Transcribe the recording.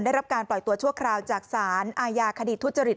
ได้รับการปล่อยตัวชั่วคราวจากสารอาญาคดีทุจริต